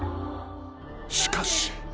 ［しかし］